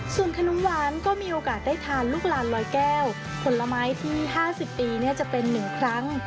ส่วนขนมหวานก็มีโอกาสได้ทานลูกลานลอยแก้วผลไม้ที่๕๐ปีจะเป็น๑ครั้ง